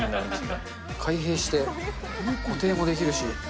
開閉して、固定もできるし。